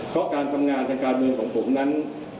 เพราะการทำงานทางการเมืองของผมนั้น